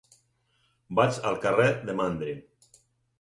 Vaig al carrer de Mandri.